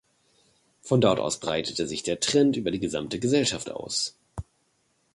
Von dort aus breitete sich der Trend über die gesamte Gesellschaft aus.